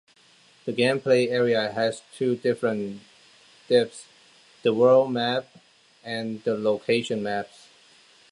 The gameplay area has two different depths: the world map and the location maps.